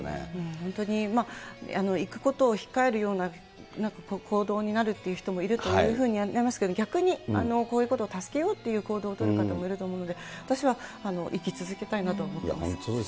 本当に行くことを控えるような行動になるという人もいるというふうに思いますけど、逆にこういうことを助けようっていう行動を取ること方もいると思うので、私は行き続けたいなと思ってます。